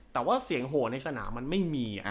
แต่ว่าเสียงโหดในสนามมันไม่มี